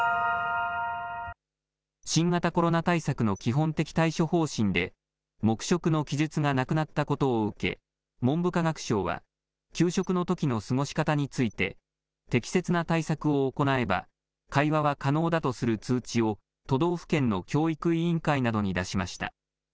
新型コロナ対策の基本的対処方針で、黙食の記述がなくなったことを受け、文部科学省は、給食のときの過ごし方について、適切な対策を行えば、会話は可能だとする通知を、都道府県の教育委員会などに出しました。